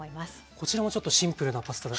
こちらもちょっとシンプルなパスタで。